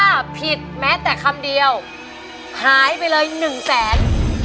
ถ้าผิดแม้แต่คำเดียวหายไปเลยหนึ่งแสน